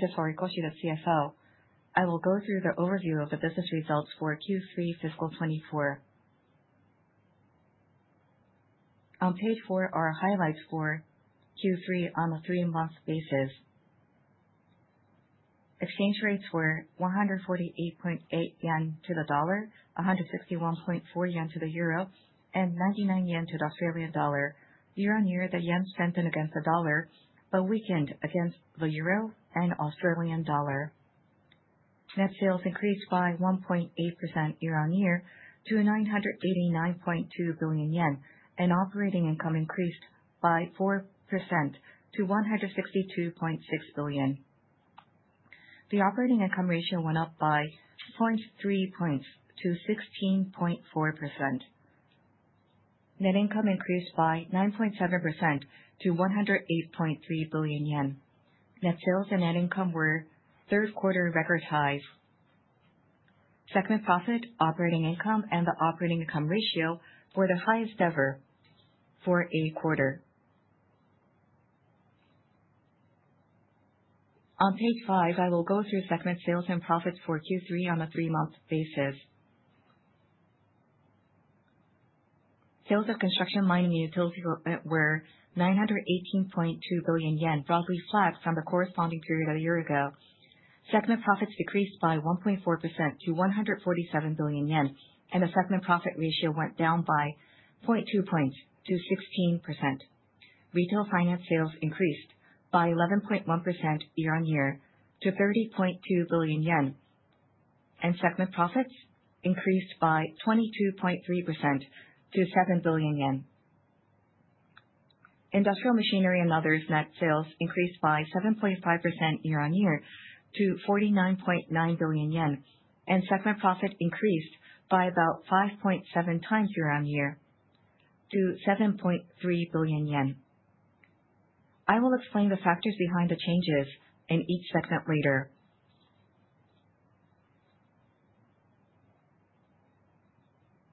This is Horikoshi, the CFO. I will go through the overview of the business results for Q3 fiscal 24. On page four are highlights for Q3 on a three-month basis. Exchange rates were 148.8 yen to the $1, JPY 161.4 to the EUR 1, and JPY 99 to the AUD 1. Year on year, the Yen strengthened against the dollar but weakened against the Euro and Australian dollar. Net sales increased by 1.8% year on year to 989.2 billion yen, and operating income increased by 4% to 162.6 billion. The operating income ratio went up by 0.3 points to 16.4%. Net income increased by 9.7% to 108.3 billion yen. Net sales and net income were third-quarter record highs. Segment profit, operating income, and the operating income ratio were the highest ever for a quarter. On page five, I will go through segment sales and profits for Q3 on a three-month basis. Sales of construction, mining, and utility were 918.2 billion yen, broadly flat from the corresponding period a year ago. Segment profits decreased by 1.4% to 147 billion yen, and the segment profit ratio went down by 0.2 points to 16%. Retail finance sales increased by 11.1% year on year to 30.2 billion yen, and segment profits increased by 22.3% to 7 billion yen. Industrial machinery and others net sales increased by 7.5% year on year to 49.9 billion yen, and segment profit increased by about 5.7 times year on year to 7.3 billion yen. I will explain the factors behind the changes in each segment later.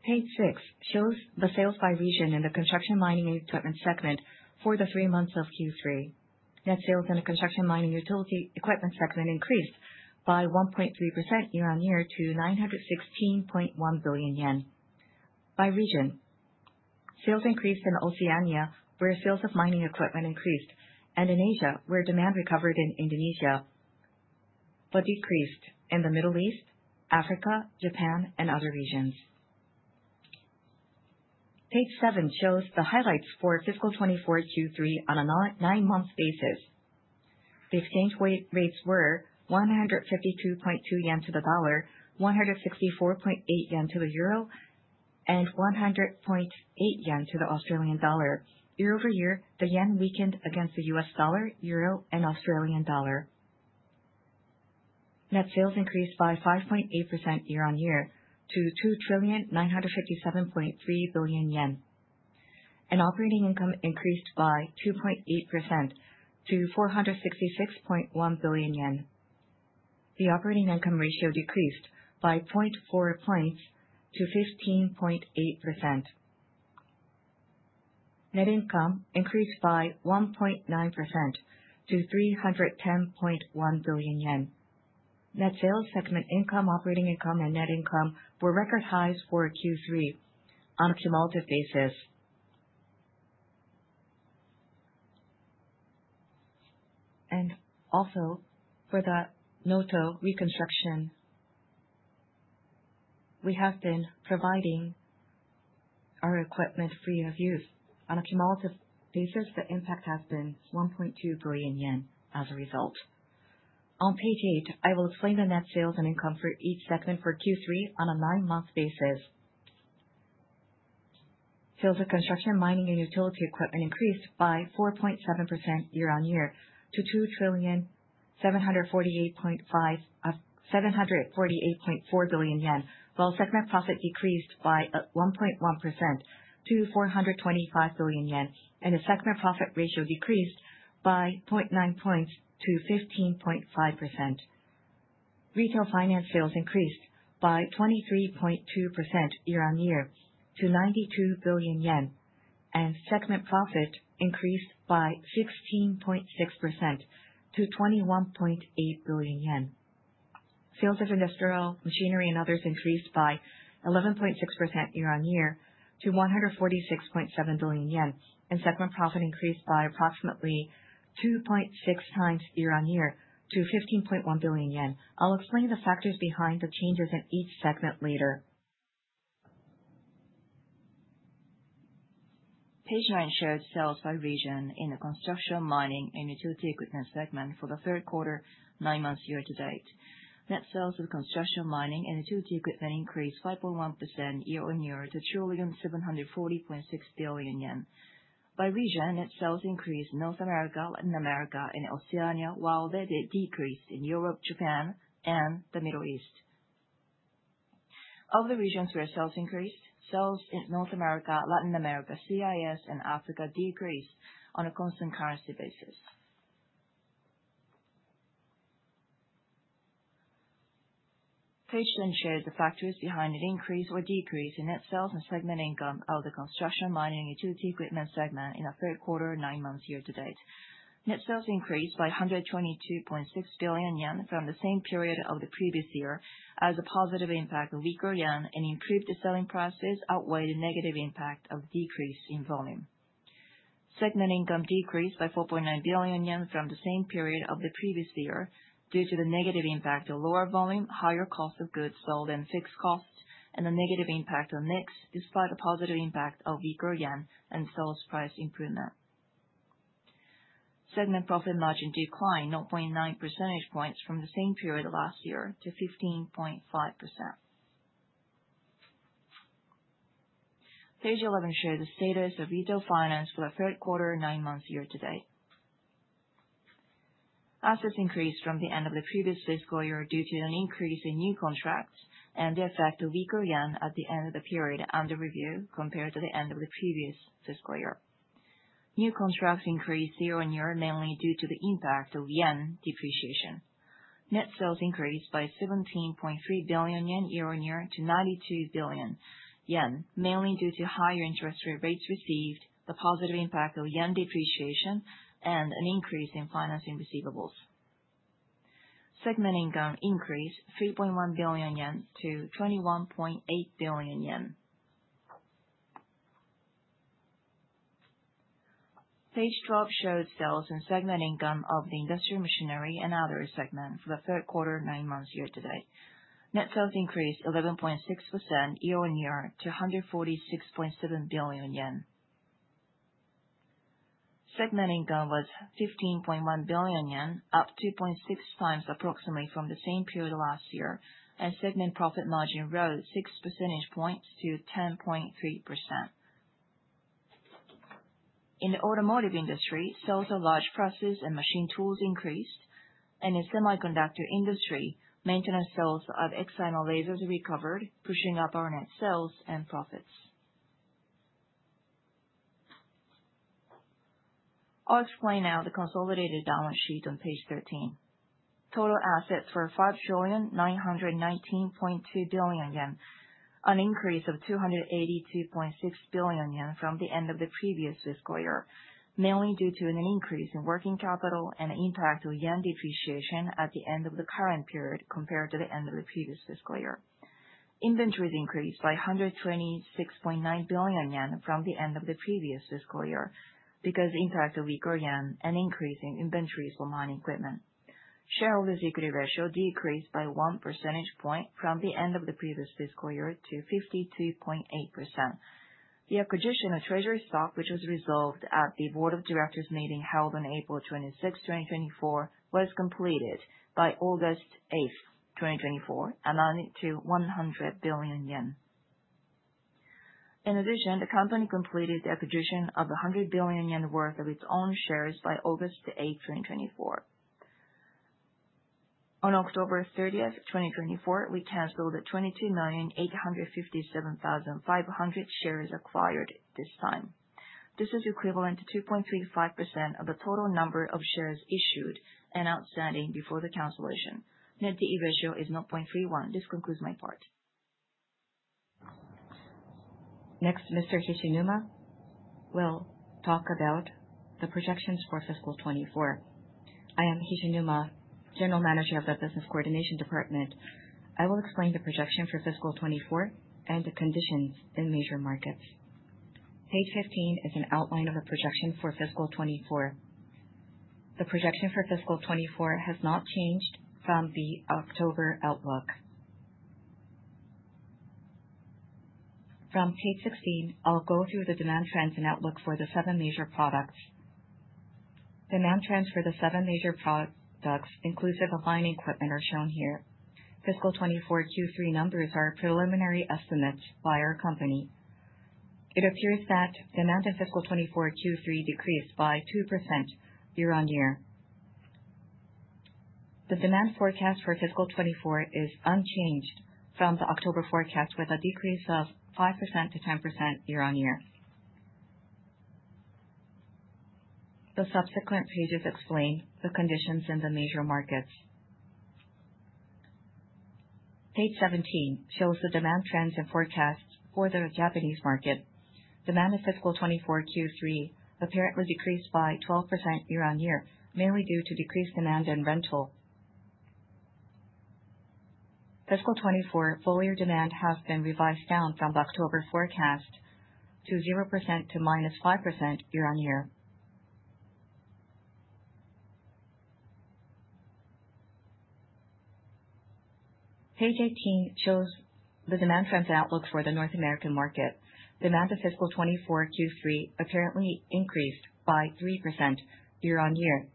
Page 6, shows the sales by region in the construction, mining, and utility equipment segment for the three months of Q3. Net sales in the construction, mining, and utility equipment segment increased by 1.3% year on year to 916.1 billion yen. By region, sales increased in Oceania, where sales of mining equipment increased, and in Asia, where demand recovered in Indonesia, but decreased in the Middle East, Africa, Japan, and other regions. Page 7 shows the highlights for fiscal 24 Q3 on a nine-month basis. The exchange rates were 152.2 Yen to the dollar, 164.8 Yen to the Euro, and 100.8 Yen to the Australian dollar. Year over year, the Yen weakened against the U.S. dollar, Euro, and Australian dollar. Net sales increased by 5.8% year on year to 2,957.3 billion yen, and operating income increased by 2.8% to 466.1 billion yen. The operating income ratio decreased by 0.4 points to 15.8%. Net income increased by 1.9% to 310.1 billion yen. Net sales, segment income, operating income, and net income were record highs for Q3 on a cumulative basis, and also, for the Noto reconstruction, we have been providing our equipment free of use. On a cumulative basis, the impact has been 1.2 billion yen as a result. On page 8, I will explain the net sales and income for each segment for Q3 on a nine-month basis. Sales of construction, mining, and utility equipment increased by 4.7% year on year to 2,748.4 billion yen, while segment profit decreased by 1.1% to 425 billion yen, and the segment profit ratio decreased by 0.9 points to 15.5%. Retail finance sales increased by 23.2% year on year to 92 billion yen, and segment profit increased by 16.6% to 21.8 billion yen. Sales of industrial, machinery, and others increased by 11.6% year on year to 146.7 billion yen, and segment profit increased by approximately 2.6 times year on year to 15.1 billion yen. I'll explain the factors behind the changes in each segment later. Page 9 shows sales by region in the construction, mining, and utility equipment segment for the third quarter, nine months year to date. Net sales of construction, mining, and utility equipment increased 5.1% year on year to 2,740.6 billion yen. By region, net sales increased in North America, Latin America, and Oceania, while they decreased in Europe, Japan, and the Middle East. Of the regions where sales increased, sales in North America, Latin America, CIS, and Africa decreased on a constant currency basis. Page 10 shows the factors behind an increase or decrease in net sales and segment income of the construction, mining, and utility equipment segment in the third quarter, nine months year to date. Net sales increased by 122.6 billion yen from the same period of the previous year as a positive impact of weaker Yen and improved the selling prices outweighed the negative impact of decrease in volume. Segment income decreased by 4.9 billion yen from the same period of the previous year due to the negative impact of lower volume, higher cost of goods sold and fixed costs, and the negative impact of mix despite the positive impact of weaker Yen and sales price improvement. Segment profit margin declined 0.9 percentage points from the same period last year to 15.5%. Page 11 shows the status of Retail Finance for the third quarter, nine months year to date. Assets increased from the end of the previous fiscal year due to an increase in new contracts and the effect of weaker yen at the end of the period under review compared to the end of the previous fiscal year. New contracts increased year on year mainly due to the impact of yen depreciation. Net sales increased by 17.3 billion yen year on year to 92 billion yen, mainly due to higher interest rates received, the positive impact of Yen depreciation, and an increase in financing receivables. Segment income increased 3.1 billion yen to 21.8 billion yen. Page 12 shows sales and segment income of the industrial, machinery, and others segment for the third quarter, nine months year to date. Net sales increased 11.6% year on year to 146.7 billion yen. Segment income was 15.1 billion yen, up 2.6 times approximately from the same period last year, and segment profit margin rose 6 percentage points to 10.3%. In the automotive industry, sales of large presses and machine tools increased, and in semiconductor industry, maintenance sales of Excimer lasers recovered, pushing up our net sales and profits. I'll explain now the consolidated balance sheet on page 13. Total assets were 5,919.2 billion yen, an increase of 282.6 billion yen from the end of the previous fiscal year, mainly due to an increase in working capital and the impact of Yen depreciation at the end of the current period compared to the end of the previous fiscal year. Inventories increased by 126.9 billion yen from the end of the previous fiscal year because of the impact of weaker Yen and increase in inventories for mining equipment. Shareholder's equity ratio decreased by one percentage point from the end of the previous fiscal year to 52.8%. The acquisition of treasury stock, which was resolved at the board of directors meeting held on April 26, 2024, was completed by August 8, 2024, amounting to 100 billion yen. In addition, the company completed the acquisition of 100 billion yen worth of its own shares by August 8, 2024. On October 30, 2024, we canceled the 22,857,500 shares acquired this time. This is equivalent to 2.35% of the total number of shares issued and outstanding before the cancellation. Net D/E ratio is 0.31. This concludes my part. Next, Mr. Hishinuma will talk about the projections for fiscal 24. I am Hishinuma, general manager of the business coordination department. I will explain the projection for fiscal 24 and the conditions in major markets. Page 15 is an outline of the projection for fiscal 24. The projection for fiscal 24 has not changed from the October outlook. From page 16, I'll go through the demand trends and outlook for the seven major products. Demand trends for the seven major products, inclusive of mining equipment, are shown here. Fiscal 24 Q3 numbers are preliminary estimates by our company. It appears that demand in fiscal 24 Q3 decreased by 2% year on year. The demand forecast for fiscal 24 is unchanged from the October forecast, with a decrease of 5% to 10% year on year. The subsequent pages explain the conditions in the major markets. Page 17 shows the demand trends and forecasts for the Japanese market. Demand in fiscal 24 Q3 apparently decreased by 12% year on year, mainly due to decreased demand and rental. Fiscal 24 full-year demand has been revised down from the October forecast to 0% to -5% year on year. Page 18 shows the demand trends and outlook for the North American market. Demand in fiscal 24 Q3 apparently increased by 3% year on year.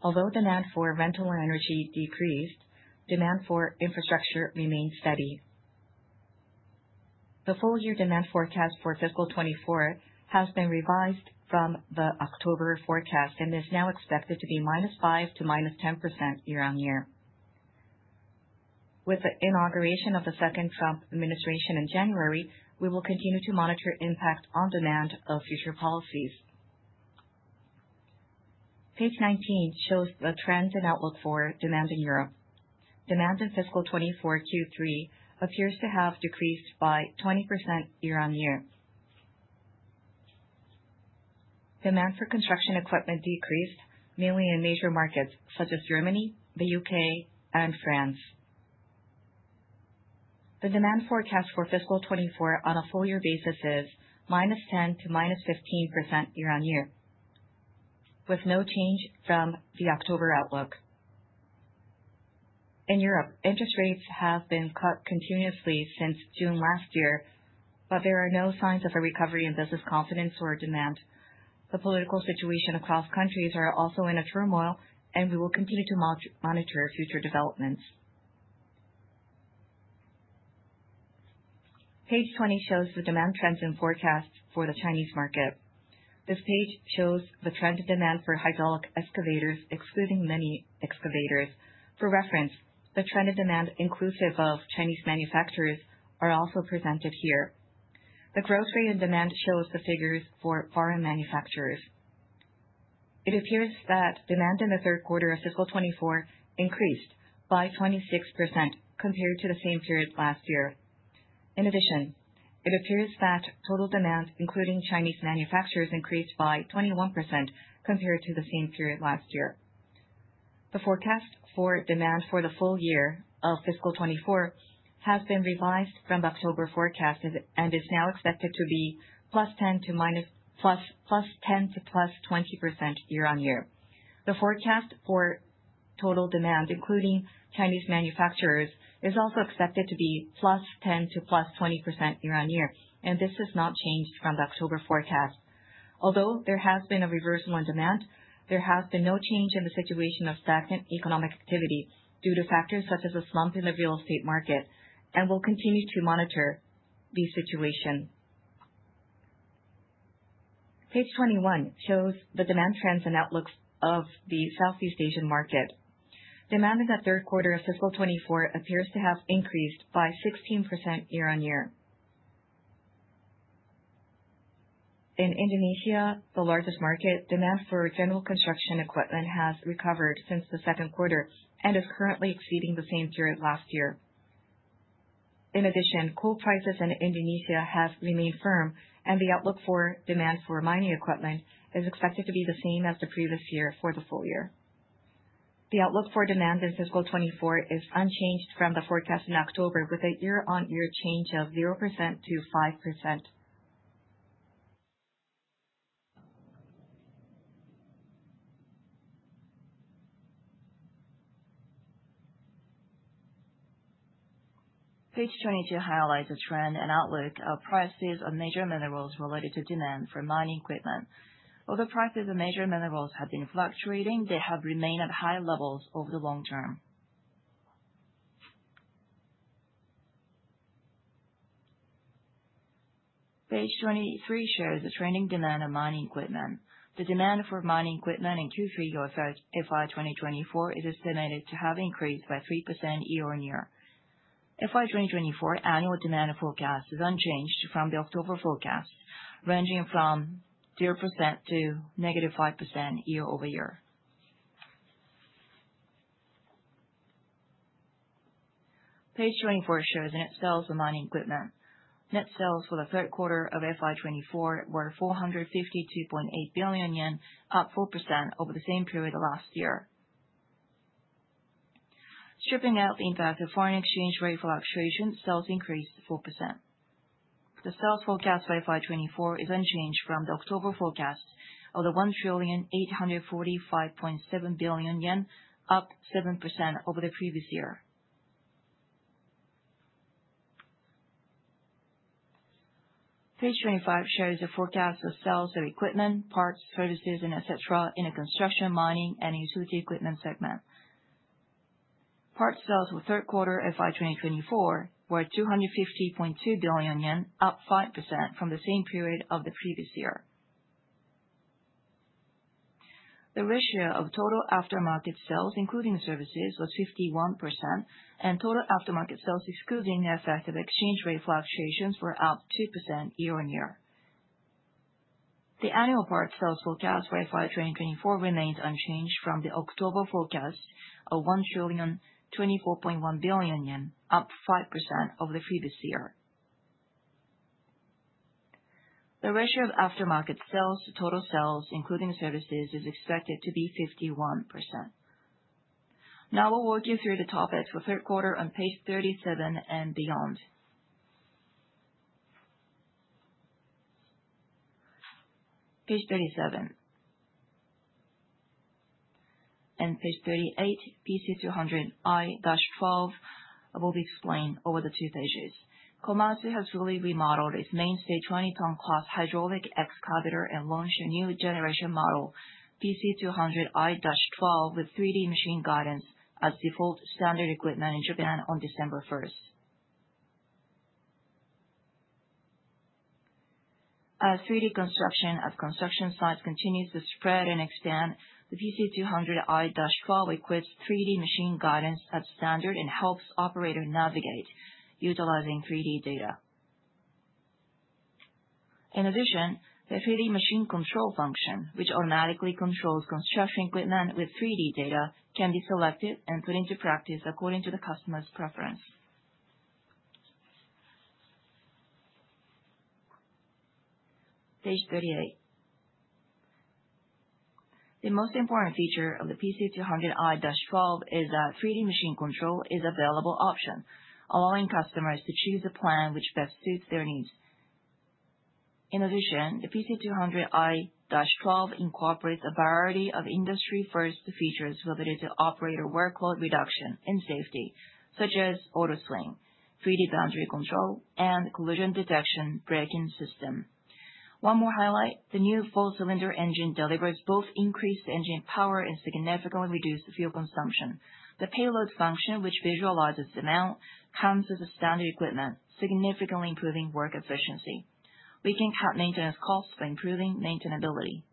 Although demand for rental and energy decreased, demand for infrastructure remained steady. The full-year demand forecast for fiscal 24 has been revised from the October forecast and is now expected to be -5% to -10% year on year. With the inauguration of the second Trump administration in January, we will continue to monitor impact on demand of future policies. Page 19 shows the trends and outlook for demand in Europe. Demand in fiscal 24 Q3 appears to have decreased by 20% year on year. Demand for construction equipment decreased, mainly in major markets such as Germany, the U.K., and France. The demand forecast for fiscal 24 on a full-year basis is minus 10% to minus 15% year on year, with no change from the October outlook. In Europe, interest rates have been cut continuously since June last year, but there are no signs of a recovery in business confidence or demand. The political situation across countries is also in turmoil, and we will continue to monitor future developments. Page 20 shows the demand trends and forecasts for the Chinese market. This page shows the trend of demand for hydraulic excavators, excluding mini excavators. For reference, the trend of demand inclusive of Chinese manufacturers is also presented here. The growth rate in demand shows the figures for foreign manufacturers. It appears that demand in the third quarter of fiscal 24 increased by 26% compared to the same period last year. In addition, it appears that total demand, including Chinese manufacturers, increased by 21% compared to the same period last year. The forecast for demand for the full year of fiscal 24 has been revised from the October forecast and is now expected to be +10% to +20% year on year. The forecast for total demand, including Chinese manufacturers, is also expected to be +10% to +20% year on year, and this has not changed from the October forecast. Although there has been a reversal in demand, there has been no change in the situation of stagnant economic activity due to factors such as a slump in the real estate market, and we'll continue to monitor the situation. Page 21 shows the demand trends and outlook of the Southeast Asian market. Demand in the third quarter of fiscal 24 appears to have increased by 16% year on year. In Indonesia, the largest market, demand for general construction equipment has recovered since the second quarter and is currently exceeding the same period last year. In addition, coal prices in Indonesia have remained firm, and the outlook for demand for mining equipment is expected to be the same as the previous year for the full year. The outlook for demand in fiscal 24 is unchanged from the forecast in October, with a year on year change of 0% to 5%. Page 22 highlights a trend and outlook of prices of major minerals related to demand for mining equipment. Although prices of major minerals have been fluctuating, they have remained at high levels over the long term. Page 23 shows the trending demand of mining equipment. The demand for mining equipment in Q3 FY 2024 is estimated to have increased by 3% year on year. FY 2024 annual demand forecast is unchanged from the October forecast, ranging from 0% to negative 5% year over year. Page 24 shows net sales of mining equipment. Net sales for the third quarter of FY 24 were 452.8 billion yen, up 4% over the same period last year. Stripping out the impact of foreign exchange rate fluctuation, sales increased 4%. The sales forecast for FY 24 is unchanged from the October forecast of 1,845.7 billion yen, up 7% over the previous year. Page 25 shows the forecast of sales of equipment, parts, services, and etc. in the construction, mining, and utility equipment segment. Parts sales for the third quarter of FY 2024 were 250.2 billion yen, up 5% from the same period of the previous year. The ratio of total aftermarket sales, including services, was 51%, and total aftermarket sales, excluding the effect of exchange rate fluctuations, were up 2% year on year. The annual parts sales forecast for FY 2024 remains unchanged from the October forecast of 1,024.1 billion yen, up 5% over the previous year. The ratio of aftermarket sales to total sales, including services, is expected to be 51%. Now I'll walk you through the topics for third quarter on Page 37 and beyond. Page 37 and Page 38, PC200i-12 will be explained over the two pages. Komatsu has fully remodeled its mainstay 20-ton class hydraulic excavator and launched a new generation model, PC200i-12, with 3D machine guidance as default standard equipment in Japan on December 1st. As 3D construction at construction sites continues to spread and expand, the PC200i-12 equips 3D machine guidance as standard and helps operators navigate utilizing 3D data. In addition, the 3D machine control function, which automatically controls construction equipment with 3D data, can be selected and put into practice according to the customer's preference. Page 38. The most important feature of the PC200i-12 is that 3D machine control is available option, allowing customers to choose a plan which best suits their needs. In addition, the PC200i-12 incorporates a variety of industry-first features related to operator workload reduction and safety, such as auto-swing, 3D boundary control, and collision detection braking system. One more highlight: the new four-cylinder engine delivers both increased engine power and significantly reduced fuel consumption. The payload function, which visualizes demand, comes as standard equipment, significantly improving work efficiency. We can cut maintenance costs by improving maintainability.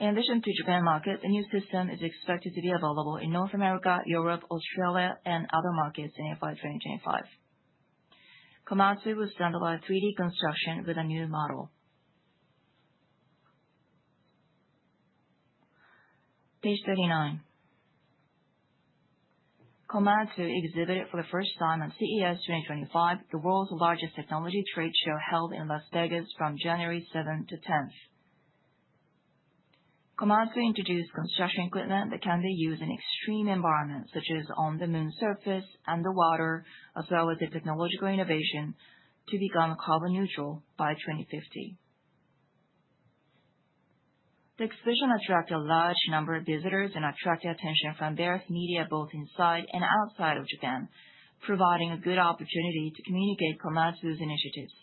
In addition to Japan market, the new system is expected to be available in North America, Europe, Australia, and other markets in FY 2025. Komatsu will standardize 3D construction with a new model. Page 39. Komatsu exhibited for the first time at CES 2025, the world's largest technology trade show held in Las Vegas from January 7 to 10. Komatsu introduced construction equipment that can be used in extreme environments, such as on the moon's surface and the water, as well as the technological innovation to become carbon neutral by 2050. The exhibition attracted a large number of visitors and attracted attention from various media both inside and outside of Japan, providing a good opportunity to communicate Komatsu's initiatives.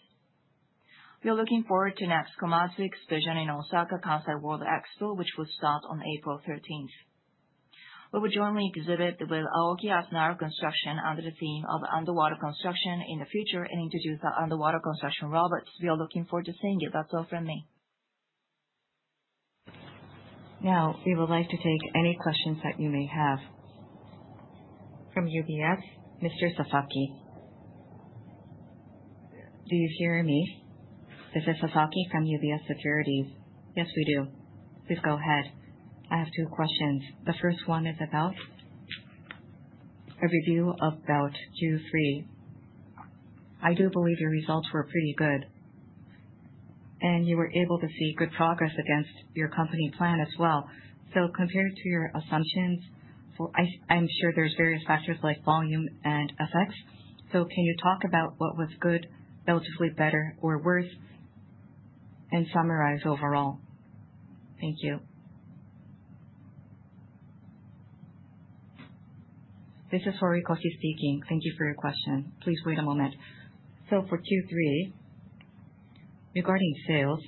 We are looking forward to the next Komatsu exhibition in Osaka Kansai World Expo, which will start on April 13. We will jointly exhibit the Aoki Asunaro Construction under the theme of underwater construction in the future and introduce the underwater construction robots. We are looking forward to seeing you. That's all from me. Now, we would like to take any questions that you may have. From UBS, Mr. Sasaki. Do you hear me? This is Sasaki from UBS Securities. Yes, we do. Please go ahead. I have two questions. The first one is about a review of Q3. I do believe your results were pretty good, and you were able to see good progress against your company plan as well. So, compared to your assumptions, I'm sure there's various factors like volume and effects. So, can you talk about what was good, relatively better, or worse, and summarize overall? Thank you. This is Horikoshi speaking. Thank you for your question. Please wait a moment. So, for Q3, regarding sales,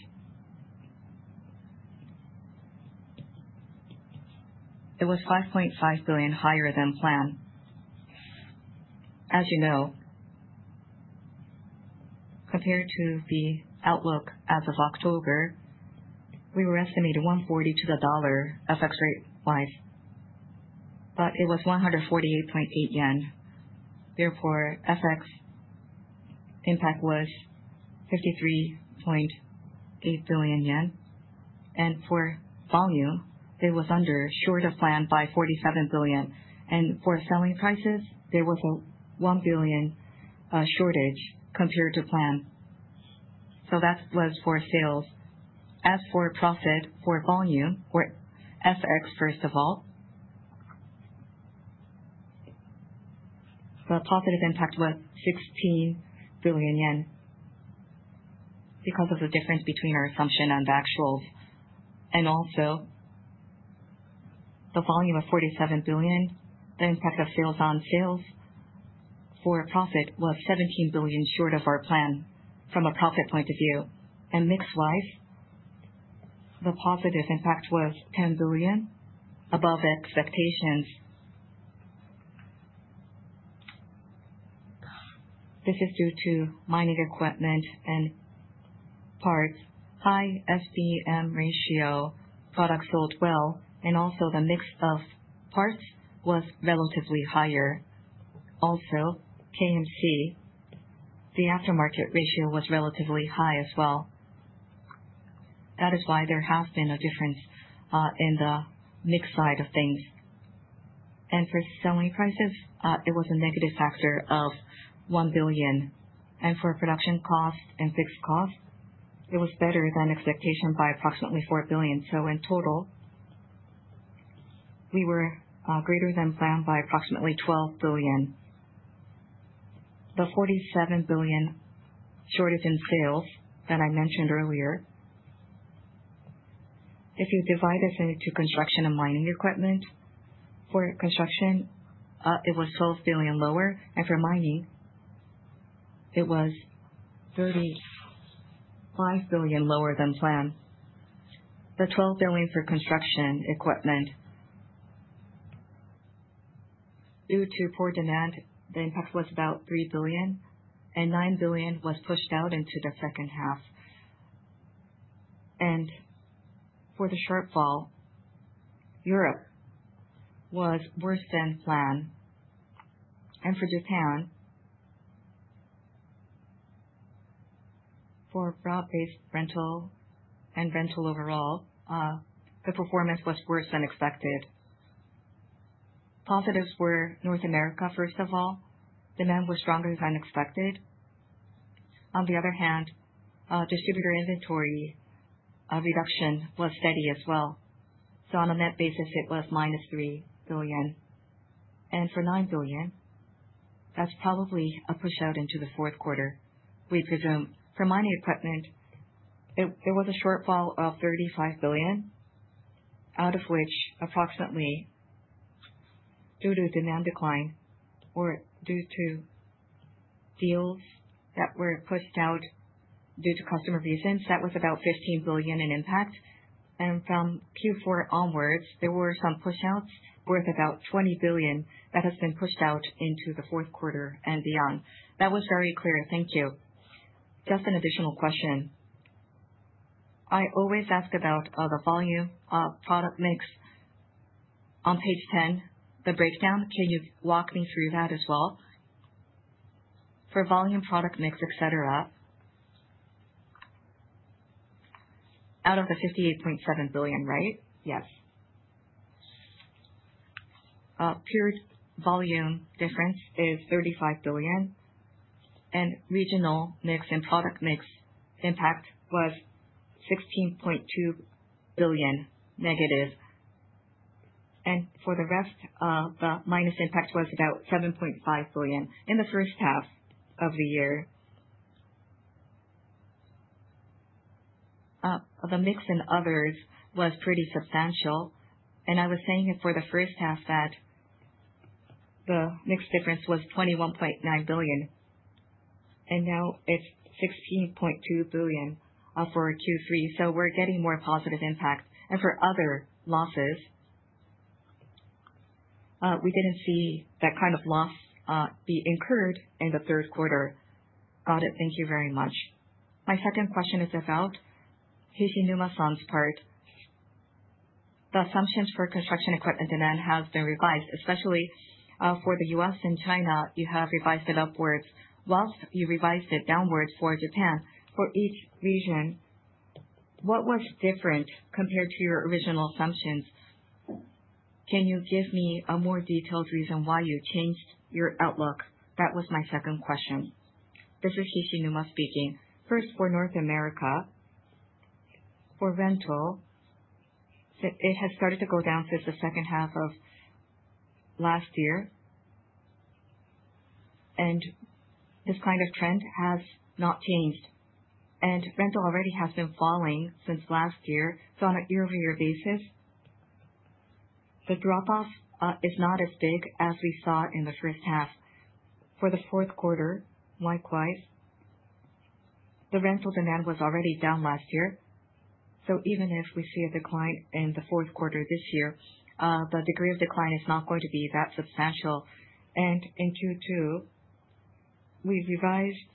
it was 5.5 billion higher than planned. As you know, compared to the outlook as of October, we were estimating 140 to the dollar effects rate-wise, but it was 148.8 yen. Therefore, effects impact was 53.8 billion yen, and for volume, it was under short of plan by 47 billion. And for selling prices, there was a 1 billion shortage compared to plan. So, that was for sales. As for profit for volume, effects first of all, the positive impact was 16 billion yen because of the difference between our assumption and the actuals. And also, the volume of 47 billion. The impact of sales on sales for profit was 17 billion short of our plan from a profit point of view. And mixed-wise, the positive impact was 10 billion above expectations. This is due to mining equipment and parts, high SRM ratio, product sold well, and also the mix of parts was relatively higher. Also, KMC, the aftermarket ratio was relatively high as well. That is why there has been a difference in the mix side of things. And for selling prices, it was a negative factor of 1 billion. And for production costs and fixed costs, it was better than expectation by approximately 4 billion. So, in total, we were greater than planned by approximately 12 billion. The 47 billion shortage in sales that I mentioned earlier, if you divide this into construction and mining equipment, for construction it was 12 billion lower, and for mining it was 35 billion lower than planned. The 12 billion for construction equipment, due to poor demand, the impact was about 3 billion, and 9 billion was pushed out into the second half. For the shortfall, Europe was worse than planned. For Japan, for route-based rental and rental overall, the performance was worse than expected. Positives were North America, first of all. Demand was stronger than expected. On the other hand, distributor inventory reduction was steady as well. On a net basis, it was minus 3 billion. For 9 billion, that's probably a push out into the fourth quarter, we presume. For mining equipment, there was a shortfall of 35 billion, out of which approximately, due to demand decline or due to deals that were pushed out due to customer reasons, that was about 15 billion in impact. And from Q4 onwards, there were some push-outs worth about 20 billion that have been pushed out into the fourth quarter and beyond. That was very clear. Thank you. Just an additional question. I always ask about the volume product mix. On page 10, the breakdown, can you walk me through that as well? For volume, product mix, etc., out of the 58.7 billion, right? Yes. Pure volume difference is 35 billion, and regional mix and product mix impact was 16.2 billion negative. And for the rest, the minus impact was about 7.5 billion in the first half of the year. The mix in others was pretty substantial, and I was saying it for the first half that the mix difference was 21.9 billion, and now it's 16.2 billion for Q3. So, we're getting more positive impact. And for other losses, we didn't see that kind of loss be incurred in the third quarter. Got it. Thank you very much. My second question is about Hishinuma's part. The assumptions for construction equipment demand have been revised, especially for the U.S. and China. You have revised it upwards, whilst you revised it downwards for Japan. For each region, what was different compared to your original assumptions? Can you give me a more detailed reason why you changed your outlook? That was my second question. This is Hishinuma speaking. First, for North America, for rental, it has started to go down since the second half of last year, and this kind of trend has not changed, and rental already has been falling since last year, so on an earlier basis, the drop-off is not as big as we saw in the first half. For the fourth quarter, likewise, the rental demand was already down last year. So, even if we see a decline in the fourth quarter this year, the degree of decline is not going to be that substantial, and in Q2, we revised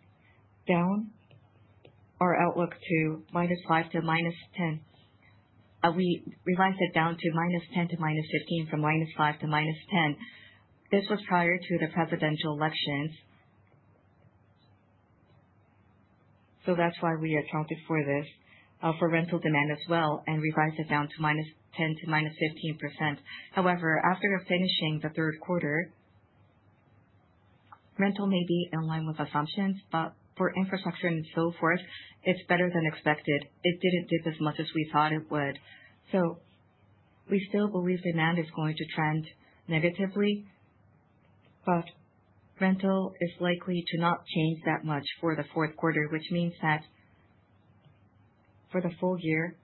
down our outlook to -5% to -10%. We revised it down to -10% to -15% from -5% to -10%. This was prior to the presidential elections, so that's why we accounted for this, for rental demand as well, and revised it down to -10% to -15%. However, after finishing the third quarter, rental may be in line with assumptions, but for infrastructure and so forth, it's better than expected. It didn't dip as much as we thought it would. So, we still believe demand is going to trend negatively, but rental is likely to not change that much for the fourth quarter, which means that for the full year,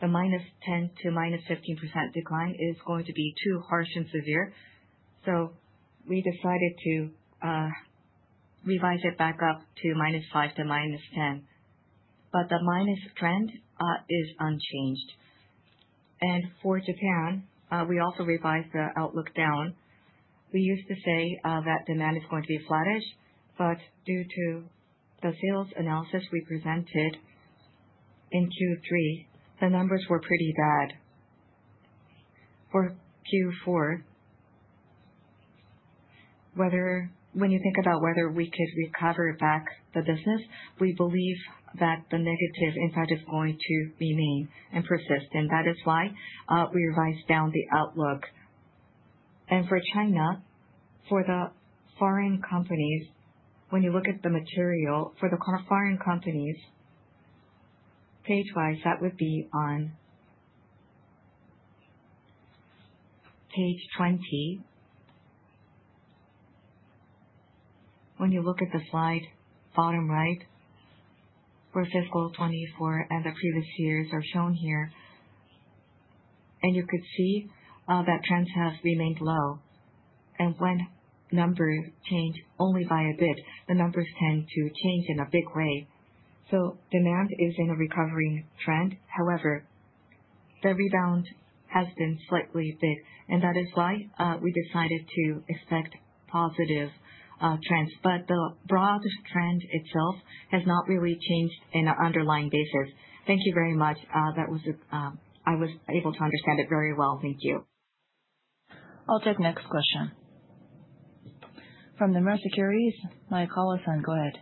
the -10% to -15% decline is going to be too harsh and severe. So, we decided to revise it back up to - 5% to -10%, but the minus trend is unchanged. And for Japan, we also revised the outlook down. We used to say that demand is going to be flattish, but due to the sales analysis we presented in Q3, the numbers were pretty bad. For Q4, when you think about whether we could recover back the business, we believe that the negative impact is going to remain and persist, and that is why we revised down the outlook, and for China, for the foreign companies, when you look at the material for the foreign companies, page-wise, that would be on page 20. When you look at the slide, bottom right, where Fiscal 24 and the previous years are shown here, and you could see that trends have remained low, and when numbers change only by a bit, the numbers tend to change in a big way, so demand is in a recovering trend. However, the rebound has been slightly big, and that is why we decided to expect positive trends. But the broad trend itself has not really changed on an underlying basis. Thank you very much. I was able to understand it very well. Thank you. I'll take the next question. From Nomura Securities, Maejima Chu. Go ahead.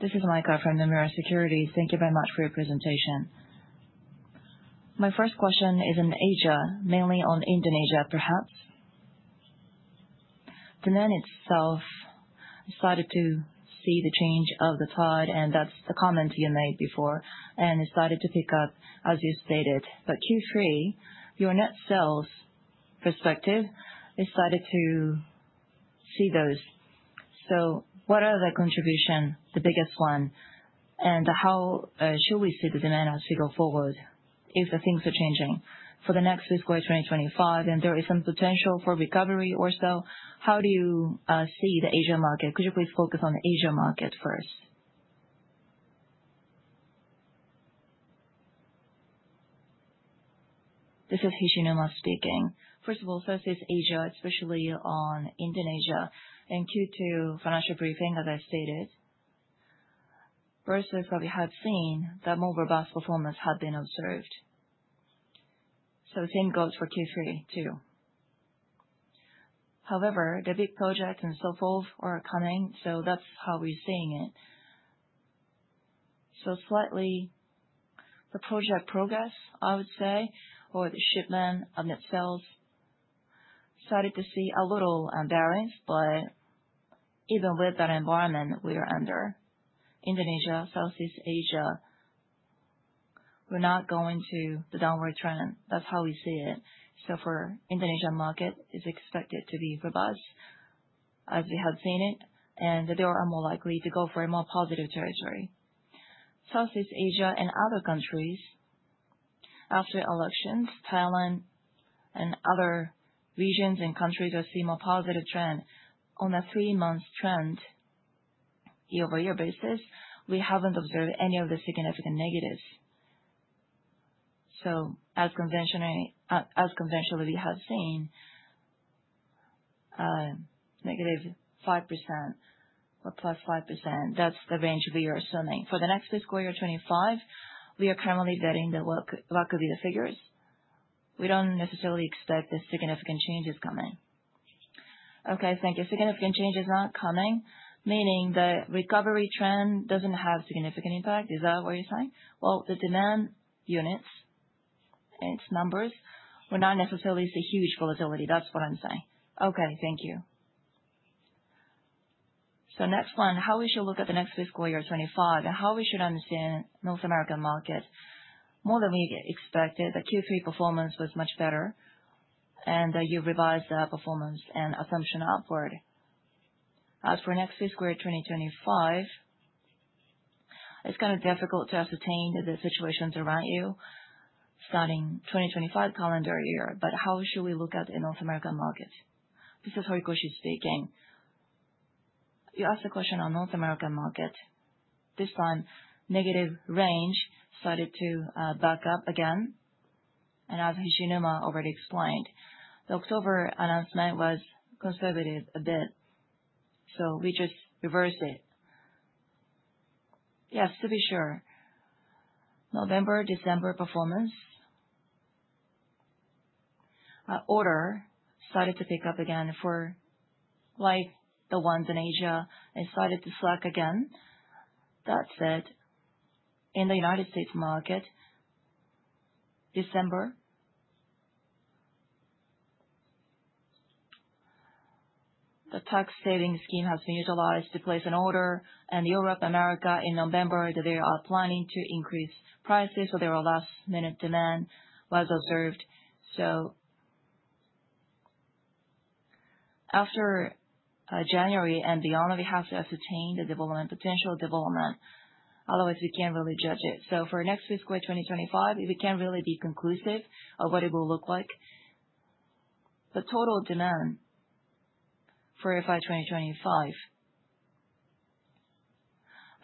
This is Maejima from Nomura Securities. Thank you very much for your presentation. My first question is in Asia, mainly on Indonesia, perhaps. Demand itself started to see the change of the plot, and that's the comment you made before, and it started to pick up, as you stated. But Q3, your net sales perspective, it started to see those. What are the contributions, the biggest one, and how should we see the demand as we go forward if things are changing for the next fiscal year 2025, and there is some potential for recovery or so? How do you see the Asia market? Could you please focus on the Asia market first? This is Hishinuma speaking. First of all, as for Asia, especially in Indonesia. In Q2 financial briefing, as I stated, versus what we had seen, the more robust performance had been observed. So, same goes for Q3 too. However, the big projects and so forth are coming, so that's how we're seeing it. So, slightly, the project progress, I would say, or the shipment itself, started to see a little imbalance, but even with that environment we are under, Indonesia, Southeast Asia, we're not going to the downward trend. That's how we see it. For the Indonesia market, it's expected to be robust, as we have seen it, and they are more likely to go for a more positive territory. Southeast Asia and other countries, after elections, Thailand and other regions and countries have seen a more positive trend. On a three-month trend, year over year basis, we haven't observed any of the significant negatives. As conventionally we have seen, negative 5% or plus 5%, that's the range we are assuming. For the next fiscal year 25, we are currently vetting what could be the figures. We don't necessarily expect the significant changes coming. Okay, thank you. Significant changes not coming, meaning the recovery trend doesn't have significant impact. Is that what you're saying? Well, the demand units, its numbers, we're not necessarily seeing huge volatility. That's what I'm saying. Okay, thank you. So, next one, how we should look at the next fiscal year 25 and how we should understand North American market? More than we expected, the Q3 performance was much better, and you revised the performance and assumption upward. As for next fiscal year 2025, it's kind of difficult to ascertain the situations around you starting 2025 calendar year, but how should we look at the North American market? This is Horikoshi speaking. You asked a question on North American market. This time, negative range started to back up again, and as Hishinuma already explained, the October announcement was conservative a bit, so we just reversed it. Yes, to be sure, November, December performance order started to pick up again for like the ones in Asia. It started to slack again. That said, in the United States market, December, the tax savings scheme has been utilized to place an order, and Europe, America, in November, they are planning to increase prices, so there are last-minute demand was observed. So, after January and beyond, we have to ascertain the potential development. Otherwise, we can't really judge it. So, for next fiscal year 2025, we can't really be conclusive of what it will look like. The total demand for FY 2025,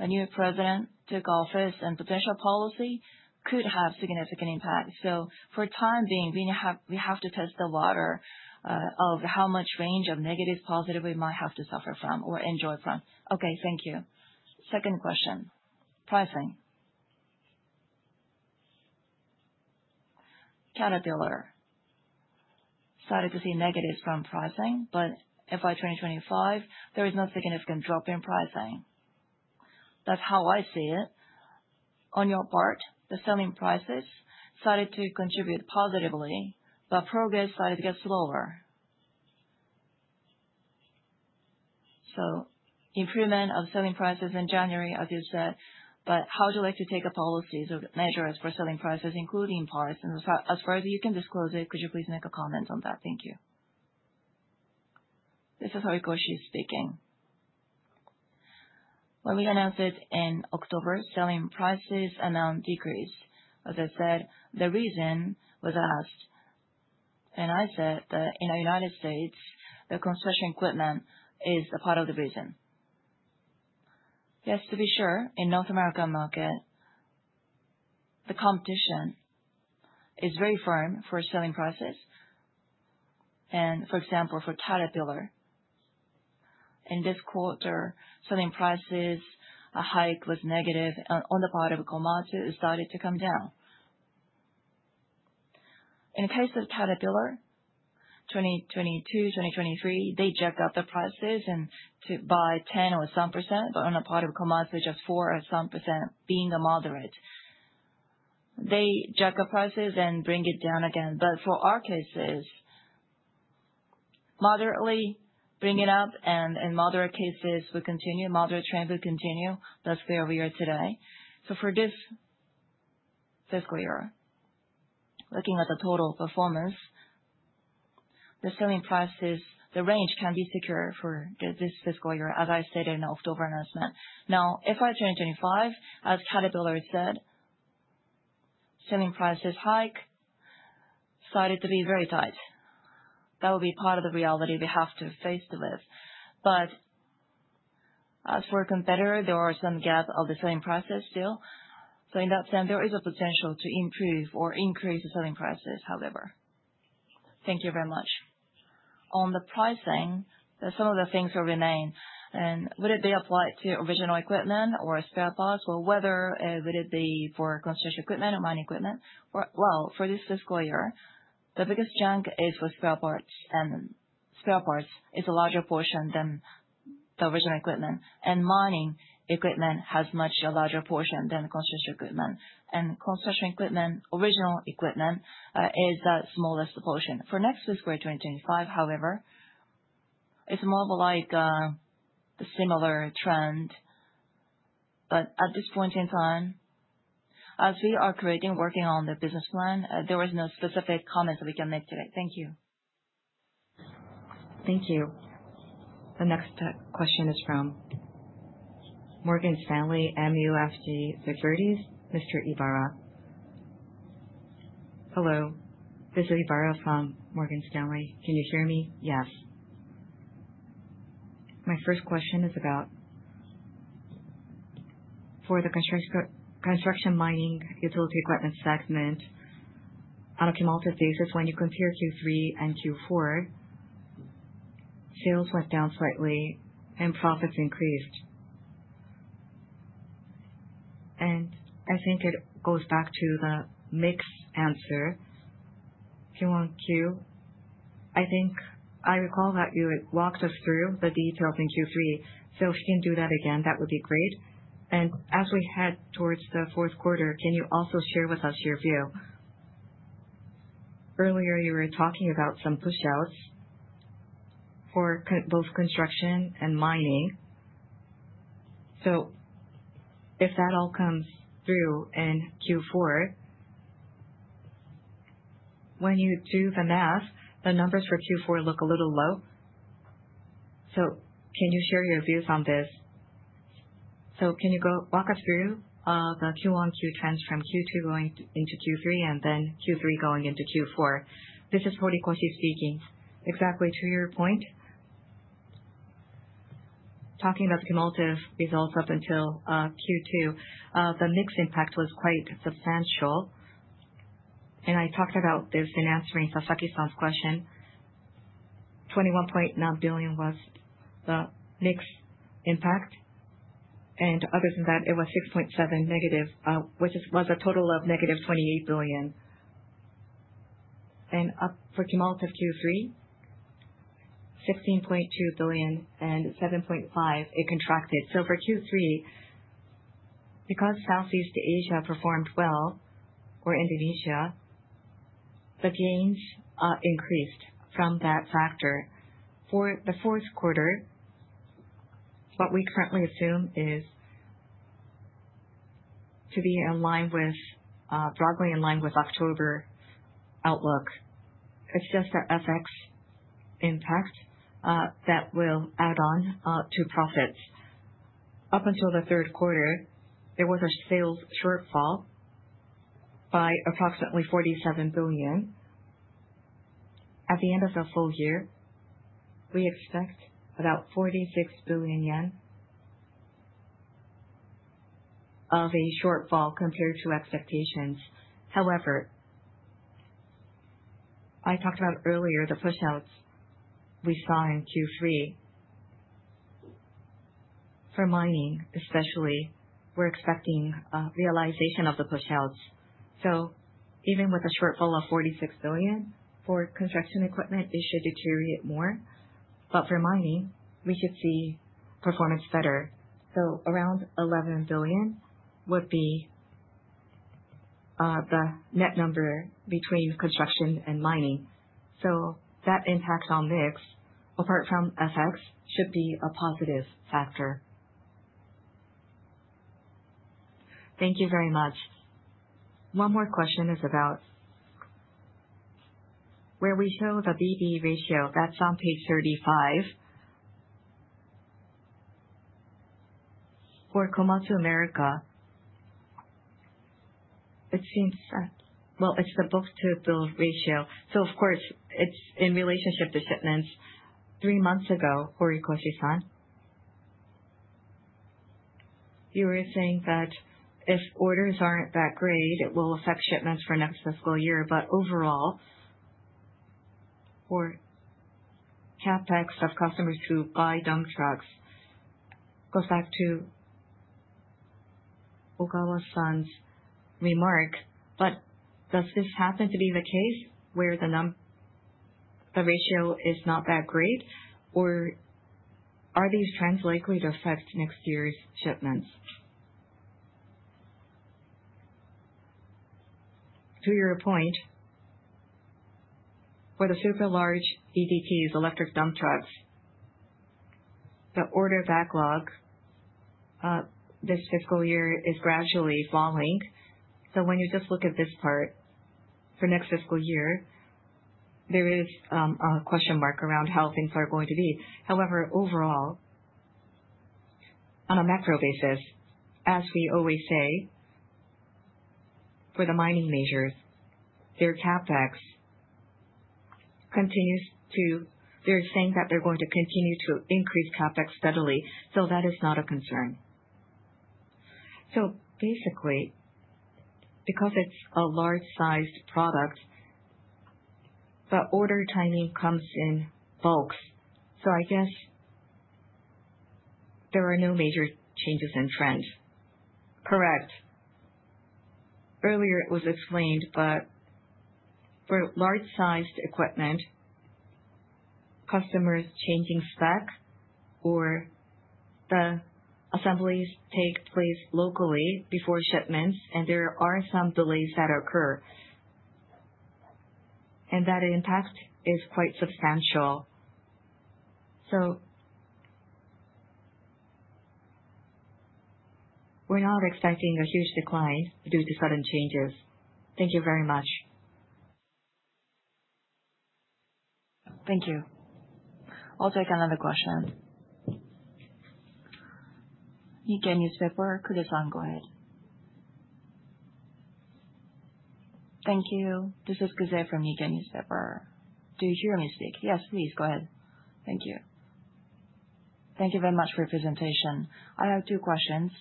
a new president took office, and potential policy could have significant impact. So, for the time being, we have to test the water of how much range of negative, positive we might have to suffer from or enjoy from. Okay, thank you. Second question, pricing. Caterpillar started to see negatives from pricing, but FY 2025, there is no significant drop in pricing. That's how I see it. On your part, the selling prices started to contribute positively, but progress started to get slower. So, improvement of selling prices in January, as you said, but how would you like to take policies or measures for selling prices, including parts? And as far as you can disclose it, could you please make a comment on that? Thank you. This is Horikoshi speaking. When we announced it in October, selling prices announced decrease. As I said, the reason was asked, and I said that in the United States, the construction equipment is a part of the reason. Yes, to be sure, in North America market, the competition is very firm for selling prices. And for example, for Caterpillar, in this quarter, selling prices, a hike was negative on the part of Komatsu. It started to come down. In the case of Caterpillar, 2022, 2023, they jacked up the prices by 10% or so percent, but on the part of Komatsu, just 4% or so percent, being a moderate. They jack up prices and bring it down again. But for our cases, moderately bring it up, and in moderate cases, we continue. Moderate trend will continue. That's where we are today, so for this fiscal year, looking at the total performance, the selling prices, the range can be secure for this fiscal year, as I stated in the October announcement. Now, FY 2025, as Caterpillar said, selling prices hike started to be very tight. That will be part of the reality we have to face with, but as for competitor, there are some gaps of the selling prices still, so in that sense, there is a potential to improve or increase the selling prices, however. Thank you very much. On the pricing, some of the things will remain. And would it be applied to original equipment or spare parts? Well, whether it would be for construction equipment or mining equipment, well, for this fiscal year, the biggest chunk is for spare parts, and spare parts is a larger portion than the original equipment. And mining equipment has much a larger portion than construction equipment. And construction equipment, original equipment, is the smallest portion. For next fiscal year 2025, however, it's more of like a similar trend. But at this point in time, as we are creating, working on the business plan, there was no specific comments that we can make today. Thank you. Thank you. The next question is from Morgan Stanley MUFG Securities, Mr. Ibara. Hello, this is Ibara from Morgan Stanley. Can you hear me? Yes. My first question is about for the construction mining utility equipment segment on a cumulative basis, when you compare Q3 and Q4, sales went down slightly and profits increased, and I think it goes back to the mixed answer, Q1, Q, I think I recall that you walked us through the details in Q3, so if you can do that again, that would be great, and as we head towards the fourth quarter, can you also share with us your view? Earlier, you were talking about some push-outs for both construction and mining, so if that all comes through in Q4, when you do the math, the numbers for Q4 look a little low, so can you share your views on this, so can you walk us through the Q1, Q trends from Q2 going into Q3 and then Q3 going into Q4? This is Horikoshi speaking. Exactly to your point, talking about the cumulative results up until Q2, the mixed impact was quite substantial. And I talked about this in answering Sasaki-san's question. 21.9 billion was the mixed impact, and other than that, it was -6.7 billion, which was a total of -28 billion. And for cumulative Q3, 16.2 billion and 7.5 billion, it contracted. So, for Q3, because Southeast Asia performed well or Indonesia, the gains increased from that factor. For the fourth quarter, what we currently assume is to be in line with, broadly in line with October outlook. It's just the FX impact that will add on to profits. Up until the third quarter, there was a sales shortfall by approximately 47 billion. At the end of the full year, we expect about JPY 46 billion of a shortfall compared to expectations. However, I talked about earlier the push-outs we saw in Q3. For mining, especially, we're expecting realization of the push-outs. So, even with a shortfall of 46 billion for construction equipment, it should deteriorate more. But for mining, we should see performance better. So, around 11 billion would be the net number between construction and mining. So, that impact on mix, apart from FX, should be a positive factor. Thank you very much. One more question is about where we show the BE ratio. That's on page 35. For Komatsu America, it seems, well, it's the book-to-bill ratio. So, of course, it's in relationship to shipments. Three months ago, Horikoshi-san, you were saying that if orders aren't that great, it will affect shipments for next fiscal year. But overall, for CapEx of customers to buy dump trucks, goes back to Ogawa-san's remark. But does this happen to be the case where the ratio is not that great, or are these trends likely to affect next year's shipments? To your point, for the super large EDTs, electric dump trucks, the order backlog this fiscal year is gradually falling. So, when you just look at this part for next fiscal year, there is a question mark around how things are going to be. However, overall, on a macro basis, as we always say, for the mining majors, their CapEx continues to, they're saying that they're going to continue to increase CapEx steadily. So, that is not a concern. So, basically, because it's a large-sized product, the order timing comes in bulks. So, I guess there are no major changes in trend. Correct. Earlier, it was explained, but for large-sized equipment, customers changing spec or the assemblies take place locally before shipments, and there are some delays that occur. And that impact is quite substantial. So, we're not expecting a huge decline due to sudden changes. Thank you very much. Thank you. I'll take another question. Nikkei Newspaper, Kudo-san, go ahead. Thank you. This is Kudo from Nikkei newspaper. Do you hear me speak? Yes, please, go ahead. \ Thank you. Thank you very much for your presentation. I have two questions.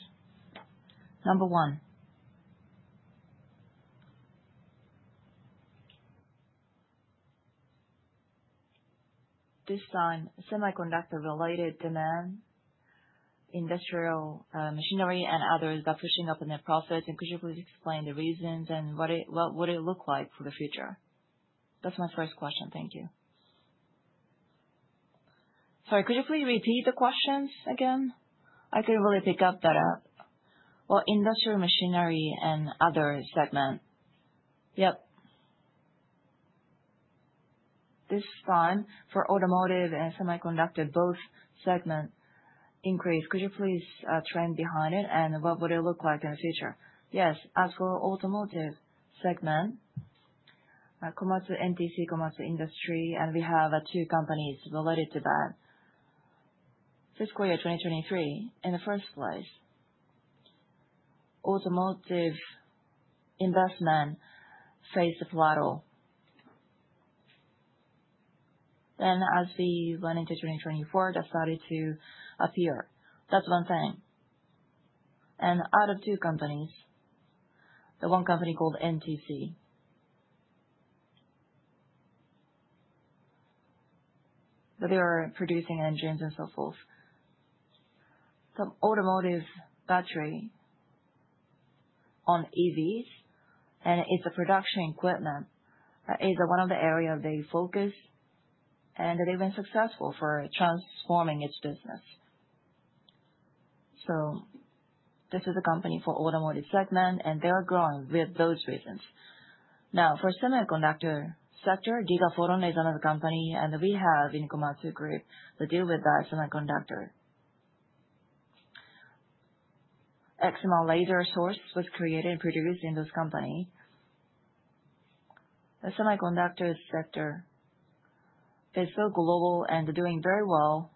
Number one, this time, semiconductor-related demand, industrial machinery, and others that are pushing up on their profits, and could you please explain the reasons and what it would look like for the future? That's my first question. Thank you. Sorry, could you please repeat the questions again? I couldn't really pick that up. Well, industrial machinery and other segment. Yep. This time, for automotive and semiconductor, both segments increased. Could you please explain the trend behind it, and what would it look like in the future? Yes. As for automotive segment, Komatsu NTC, Komatsu Industries, and we have two companies related to that. Fiscal year 2023, in the first place, automotive investment faced a plateau. Then, as we went into 2024, that started to appear. That's one thing. And out of two companies, the one company called NTC, they are producing engines and so forth. The automotive battery for EVs, and it's production equipment, is one of the areas they focus, and they've been successful in transforming its business. So, this is a company for automotive segment, and they are growing with those reasons. Now, for semiconductor sector, Gigaphoton is another company, and we have in Komatsu Group the deal with that semiconductor. Excimer laser source was created and produced in this company. The semiconductor sector is so global and doing very well,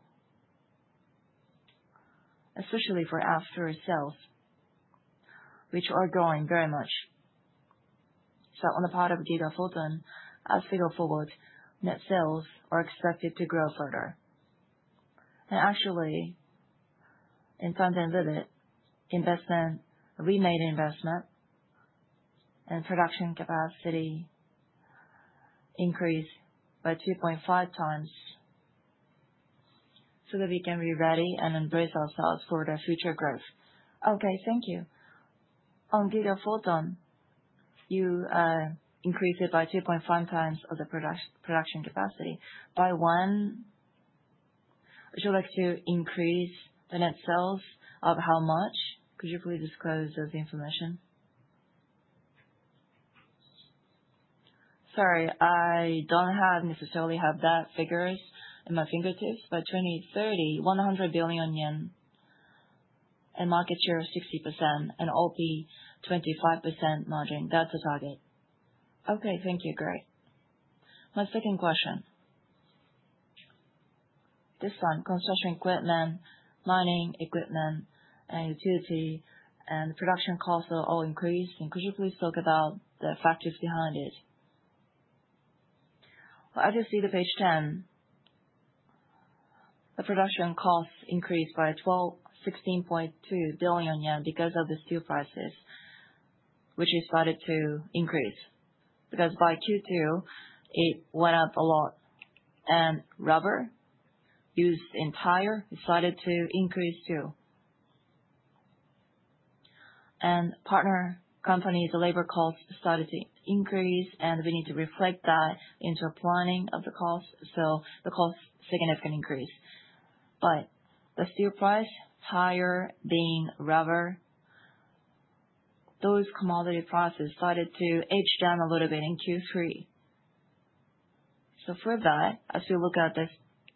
especially for after-sales, which are growing very much. So, on the part of Gigaphoton, as we go forward, net sales are expected to grow further. And actually, in time to limit investment, we made investment, and production capacity increased by 2.5 times so that we can be ready and embrace ourselves for the future growth. Okay, thank you. On Gigaphoton, you increased it by 2.5 times of the production capacity. By one, would you like to increase the net sales of how much? Could you please disclose those information? Sorry, I don't necessarily have that figures in my fingertips, but 2030, 100 billion yen, and market share of 60%, and OP 25% margin. That's a target. Okay, thank you. Great. My second question. This time, construction equipment, mining equipment, and utility, and production costs are all increasing. Could you please talk about the factors behind it? As you see the page 10, the production costs increased by 16.2 billion yen because of the steel prices, which is started to increase. Because by Q2, it went up a lot. And rubber used in tire started to increase too. And partner companies, the labor costs started to increase, and we need to reflect that into a planning of the cost. So, the cost significant increase. But the steel price, tire, beam, rubber, those commodity prices started to edge down a little bit in Q3. So, for that, as we look at the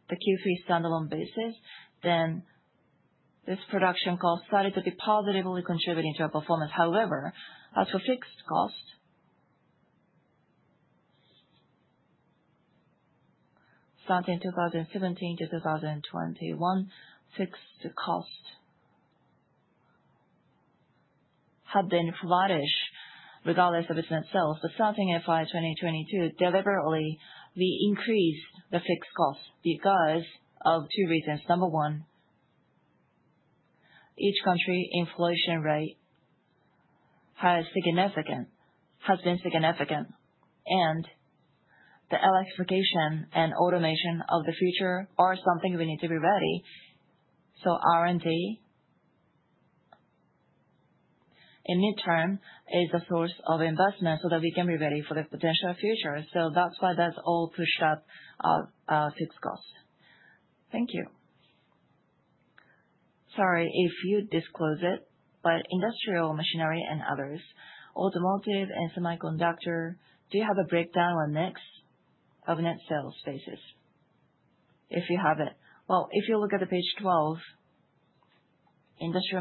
Q3 standalone basis, then this production cost started to be positively contributing to our performance. However, as for fixed cost, starting 2017 to 2021, fixed cost had been flatish regardless of its net sales. But starting in 2022, deliberately, we increased the fixed cost because of two reasons. Number one, each country's inflation rate has been significant, and the electrification and automation of the future are something we need to be ready. So, R&D, in the term, is a source of investment so that we can be ready for the potential future. So, that's why that's all pushed up our fixed cost. Thank you. Sorry if you disclose it, but industrial machinery and others, automotive and semiconductor, do you have a breakdown or mix of net sales basis? If you have it. Well, if you look at the page 12, industry,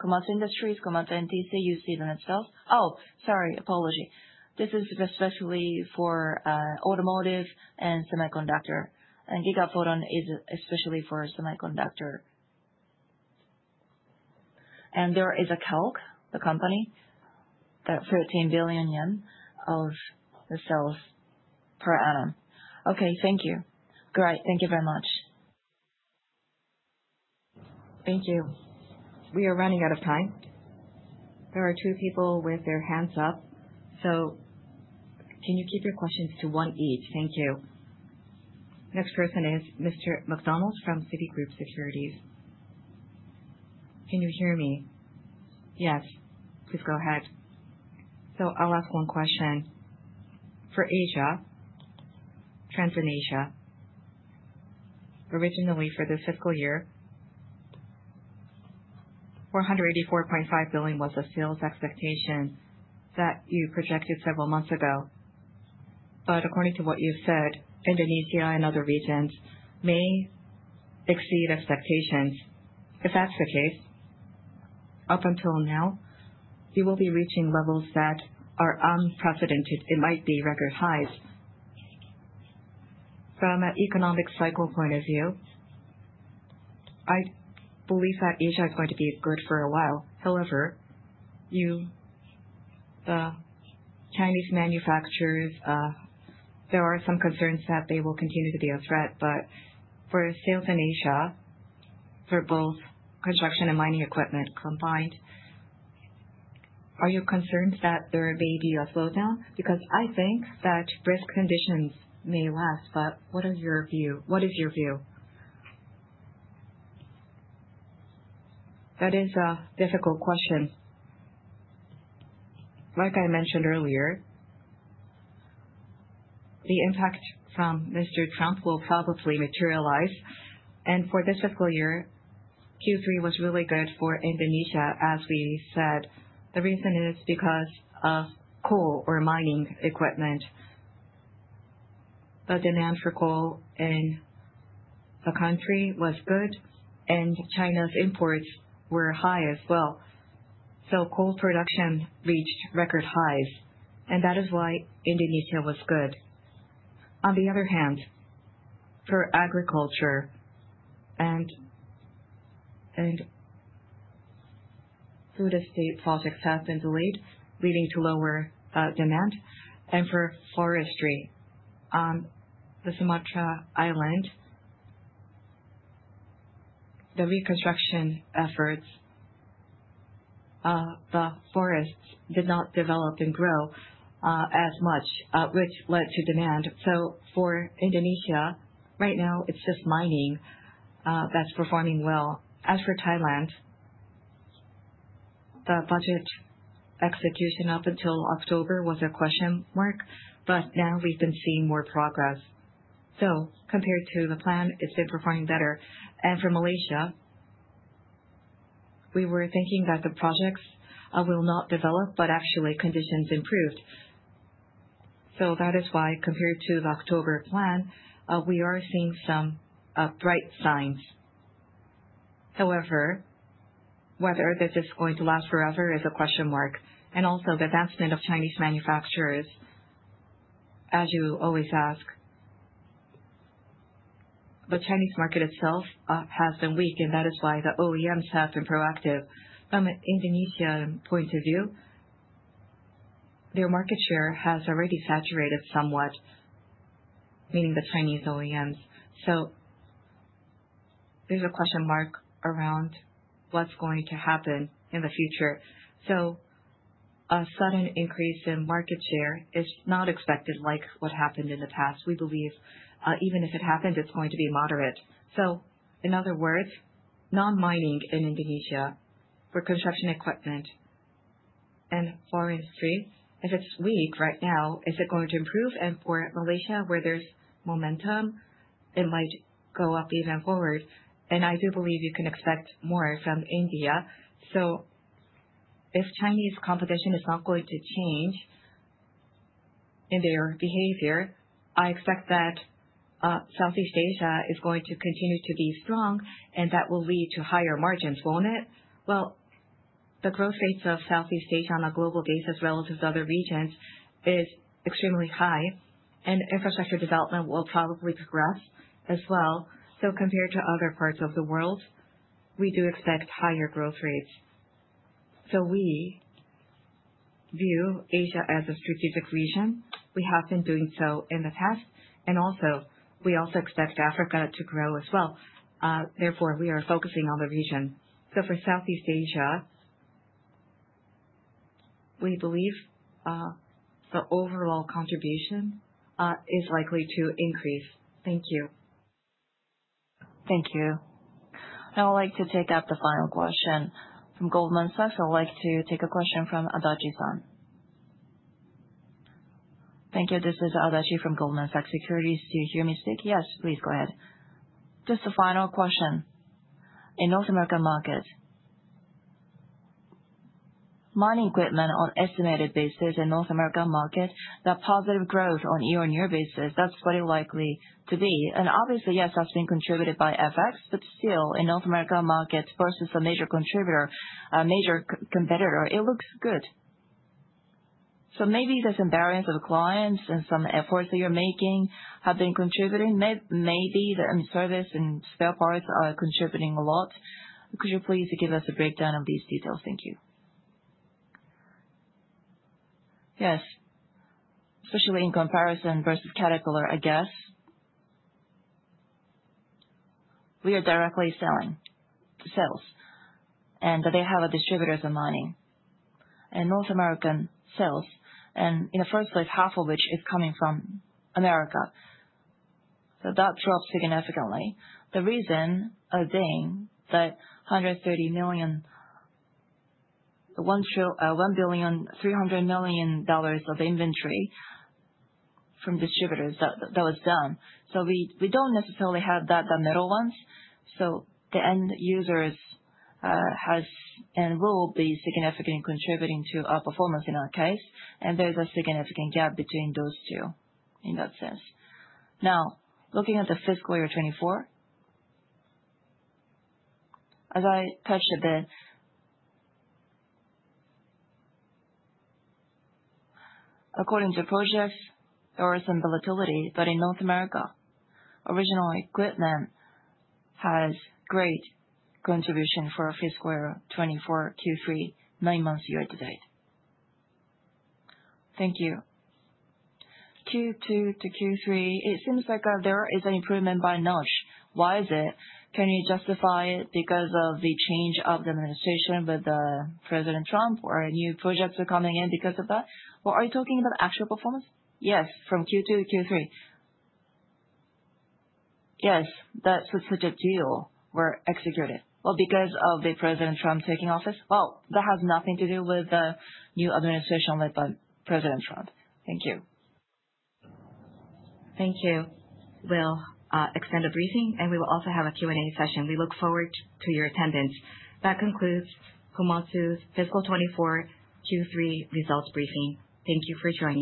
Komatsu Industries, Komatsu NTC, you see the net sales. Oh, sorry, apology. This is especially for automotive and semiconductor. Gigaphoton is especially for semiconductor. There is a KELK, the company, that 13 billion yen of the sales per annum. Okay, thank you. Great. Thank you very much. Thank you. We are running out of time. There are two people with their hands up. Can you keep your questions to one each? Thank you. Next person is Mr. McDonald from Citigroup Securities. Can you hear me? Yes. Please go ahead. I'll ask one question. For Asia, Indonesia, originally for this fiscal year, 484.5 billion was the sales expectation that you projected several months ago. But according to what you've said, Indonesia and other regions may exceed expectations. If that's the case, up until now, you will be reaching levels that are unprecedented. It might be record highs. From an economic cycle point of view, I believe that Asia is going to be good for a while. However, you, the Chinese manufacturers, there are some concerns that they will continue to be a threat, but for sales in Asia, for both construction and mining equipment combined, are you concerned that there may be a slowdown? Because I think that risk conditions may last, but what is your view? That is a difficult question. Like I mentioned earlier, the impact from Mr. Trump will probably materialize and for this fiscal year, Q3 was really good for Indonesia, as we said. The reason is because of coal or mining equipment. The demand for coal in the country was good, and China's imports were high as well. So, coal production reached record highs and that is why Indonesia was good. On the other hand, for agriculture and Food Estate projects have been delayed, leading to lower demand. And for forestry on the Sumatra Island, the reconstruction efforts, the forests did not develop and grow as much, which led to demand. So, for Indonesia, right now, it's just mining that's performing well. As for Thailand, the budget execution up until October was a question mark, but now we've been seeing more progress. So, compared to the plan, it's been performing better. And for Malaysia, we were thinking that the projects will not develop, but actually, conditions improved. So, that is why, compared to the October plan, we are seeing some bright signs. However, whether this is going to last forever is a question mark. And also, the advancement of Chinese manufacturers, as you always ask. The Chinese market itself has been weak, and that is why the OEMs have been proactive. From an Indonesian point of view, their market share has already saturated somewhat, meaning the Chinese OEMs. So, there's a question mark around what's going to happen in the future. So, a sudden increase in market share is not expected like what happened in the past. We believe even if it happens, it's going to be moderate. So, in other words, non-mining in Indonesia for construction equipment and forestry industry, if it's weak right now, is it going to improve? And for Malaysia, where there's momentum, it might go up even going forward. And I do believe you can expect more from India. So, if Chinese competition is not going to change in their behavior, I expect that Southeast Asia is going to continue to be strong, and that will lead to higher margins, won't it? The growth rates of Southeast Asia on a global basis relative to other regions is extremely high, and infrastructure development will probably progress as well. So, compared to other parts of the world, we do expect higher growth rates. So, we view Asia as a strategic region. We have been doing so in the past. And also, we also expect Africa to grow as well. Therefore, we are focusing on the region. So, for Southeast Asia, we believe the overall contribution is likely to increase. Thank you. Thank you. Now, I'd like to take up the final question from Goldman Sachs. I'd like to take a question from Adachi San. Thank you. This is Adachi from Goldman Sachs Securities. Do you hear me speak? Yes, please go ahead. Just a final question. In North American market, mining equipment on an estimated basis in North America market, the positive growth on year on year basis, that's very likely to be. And obviously, yes, that's been contributed by FX, but still, in North America market versus a major competitor, it looks good. So, maybe the some variance of clients and some efforts that you're making have been contributing. Maybe the service and spare parts are contributing a lot. Could you please give us a breakdown of these details? Thank you. Yes. Especially in comparison versus Caterpillar, I guess. We are directly selling sales, and they have a distributor for mining and North American sales. And in the first place, half of which is coming from America. So, that drops significantly. The reason being that $130 million, $1 billion, $300 million of inventory from distributors that was done. We don't necessarily have that, the middle ones. The end users has and will be significantly contributing to our performance in our case. There's a significant gap between those two in that sense. Now, looking at the fiscal year 2024, as I touched a bit, according to projects, there are some volatility, but in North America, original equipment has great contribution for fiscal year 2024, Q3, nine months year to date. Thank you. Q2 to Q3, it seems like there is an improvement by notch. Why is it? Can you justify it because of the change of the administration with President Trump or new projects are coming in because of that? Are you talking about actual performance? Yes, from Q2 to Q3. Yes, that's such a deal were executed. Because of President Trump taking office. That has nothing to do with the new administration led by President Trump. Thank you. Thank you. We'll end the briefing, and we will also have a Q and A session. We look forward to your attendance. That concludes Komatsu's Fiscal 24 Q3 Results Briefing. Thank you for joining.